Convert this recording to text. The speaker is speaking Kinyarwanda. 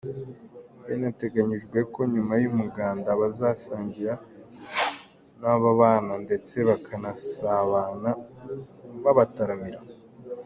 Binateganyijwe ko nyuma y’umuganda bazasangira n’aba bana ndetse bakanasabana babataramira.